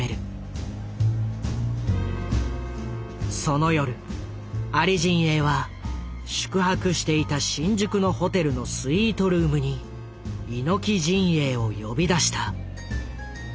その夜アリ陣営は宿泊していた新宿のホテルのスイートルームに猪木陣営を呼び出した。